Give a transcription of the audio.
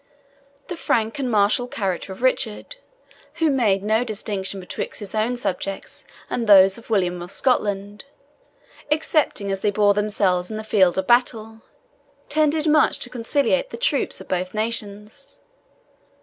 The frank and martial character of Richard, who made no distinction betwixt his own subjects and those of William of Scotland, excepting as they bore themselves in the field of battle, tended much to conciliate the troops of both nations.